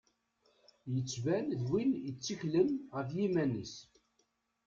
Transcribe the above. Yettban d win i tteklen ɣef yiman-is.